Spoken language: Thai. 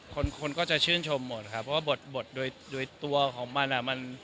คนคนก็จะชื่นชมหมดครับเพราะว่าบทโดยตัวของมันอ่ะมัน